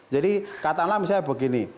jadi katalah misalnya begini